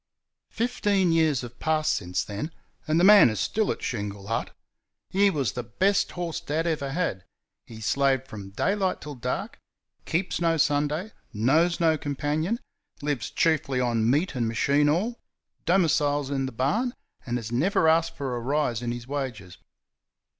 Fifteen years have passed since then, and the man is still at Shingle Hut. He was the best horse Dad ever had. He slaved from daylight till dark; keeps no Sunday; knows no companion; lives chiefly on meat and machine oil; domiciles in the barn; and has never asked for a rise in his wages.